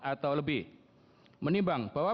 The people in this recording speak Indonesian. atau lebih menimbang bahwa